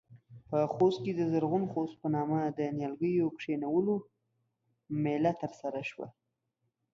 په خوست کې د زرغون خوست په نامه د نيالګيو کښېنولو مېلمه ترسره شوه.